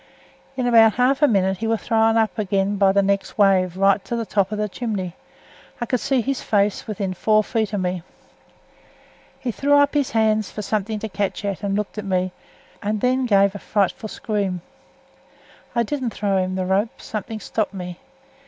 In about half a minute he was thrown up again by th' next wave right to the top of th' chimney. I could see his face within four feet of me. He threw up his hands for something to catch at and looked at me, and then gave a fearful scream. I didn't throw him the rope; something stopped me.